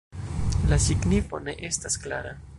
La signifo ne estas klara.